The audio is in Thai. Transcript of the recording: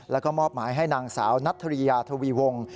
แล้วก็มอบหมายให้นางสาวนัทธริยาทวีวงศ